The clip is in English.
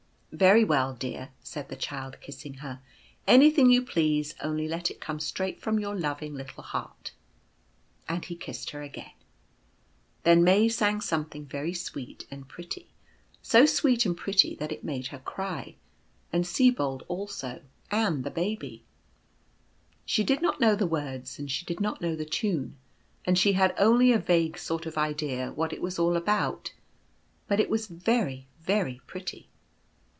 " Very well, dear/' said the Child, kissing her, "any thing you please, only let it come straight from your loving little heart ;" and he kissed her again. Then May sang something very sweet and pretty — so sweet and pretty that it made her cry, and Sibold also, and the Baby. She did not know the words, and she did not know the tune, and she had only a vague sort of idea what it was all about; but it was very, very pretty.